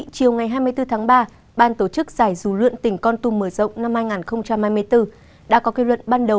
chiều ngày hai mươi bốn tháng ba ban tổ chức giải dù lượn tỉnh con tum mở rộng năm hai nghìn hai mươi bốn đã có kết luận ban đầu